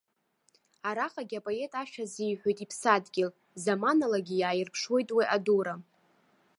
Араҟагьы апоет ашәа азиҳәоит иԥсадгьыл, заманалагьы иааирԥшуеит уи адура.